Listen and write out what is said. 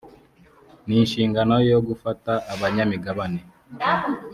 n inshingano yo gufata abanyamigabane